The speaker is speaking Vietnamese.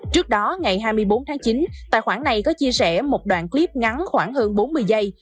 trước đó ngày hai mươi bốn tháng chín tài khoản này có chia sẻ một đoạn clip ngắn khoảng hơn bốn mươi giây